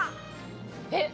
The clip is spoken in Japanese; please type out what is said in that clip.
えっ！